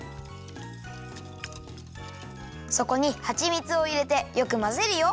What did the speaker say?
そこにはちみつをいれてよくまぜるよ。